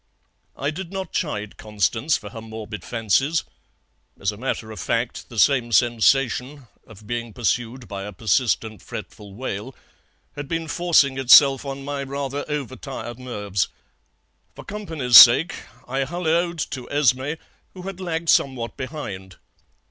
"I did not chide Constance for her morbid fancies; as a matter of fact the same sensation, of being pursued by a persistent fretful wail, had been forcing itself on my rather over tired nerves. For company's sake I hulloed to Esmé, who had lagged somewhat behind.